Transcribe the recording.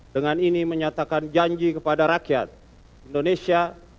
dengan ini menyatakan janji kepada rakyat indonesia